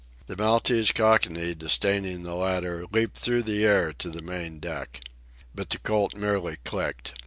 The Maltese Cockney, disdaining the ladder, leaped through the air to the main deck. But the Colt merely clicked.